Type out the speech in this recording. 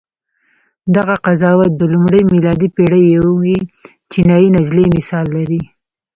دغه قضاوت د لومړۍ میلادي پېړۍ یوې چینایي نجلۍ مثال لري.